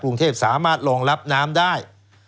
กรุงเทพสามารถรองรับน้ำได้